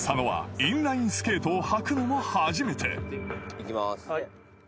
行きます。